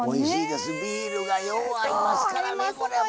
ビールがよう合いますからね。